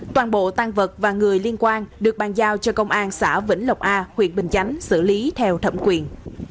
toàn bộ tan vật và người liên quan được bàn giao cho công an xã vĩnh lộc a huyện bình chánh xử lý theo thẩm quyền